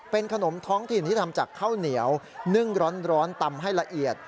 เป็นขนมท้องถิ่นที่ทำจากข้าวเหนียวนึ่งร้อนตำให้ละเอียด